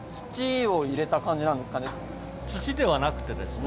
土ではなくてですね